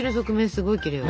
すごいきれいよ。